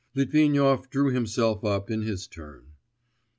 Litvinov drew himself up in his turn.